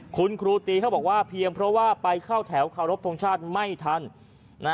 คุณครูตีเขาบอกว่าเพียงเพราะว่าไปเข้าแถวเคารพทงชาติไม่ทันนะ